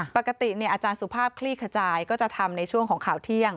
ปกติอาจารย์สุภาพคลี่ขจายก็จะทำในช่วงของข่าวเที่ยง